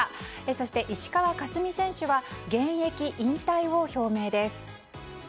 そして、石川佳純選手は現役引退を表明です。